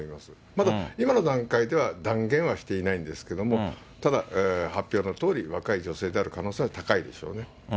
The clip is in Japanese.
まだ今の段階では、断言はしていないんですけれども、ただ、発表のとおり、若い女性である可能性は高いでしょうね。